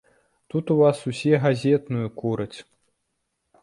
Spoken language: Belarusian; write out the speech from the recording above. Тут у вас усе газетную кураць.